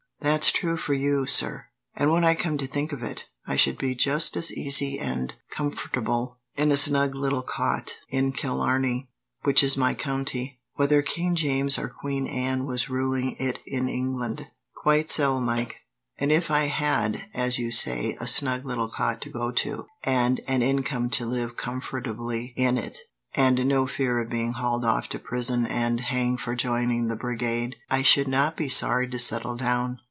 "That's true for you, sir; and when I come to think of it, I should be just as easy and comfortable in a snug little cot in Killarney, which is my county, whether King James or Queen Anne was ruling it in England." "Quite so, Mike; and if I had, as you say, a snug little cot to go to, and an income to live comfortably in it, and no fear of being hauled off to prison and hanged for joining the brigade, I should not be sorry to settle down.